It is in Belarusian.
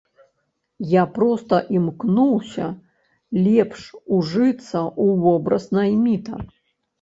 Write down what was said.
Я проста імкнуўся лепш ужыцца ў вобраз найміта.